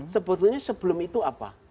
sebetulnya sebelum itu apa